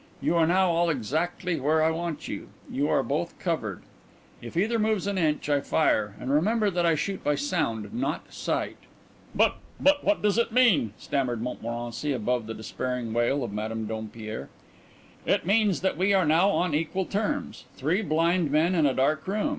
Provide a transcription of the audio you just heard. "You are now all exactly where I want you. You are both covered. If either moves an inch, I fire and remember that I shoot by sound, not sight." "But but what does it mean?" stammered Montmorency, above the despairing wail of Madame Dompierre. "It means that we are now on equal terms three blind men in a dark room.